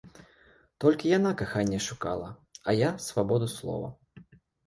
Толькі яна каханне шукала, а я свабоду слова.